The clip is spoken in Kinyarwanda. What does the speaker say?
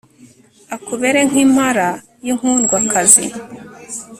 akubere nk'impara y'inkundwakazi